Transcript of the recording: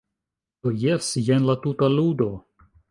Do, jes, jen la tuta ludo.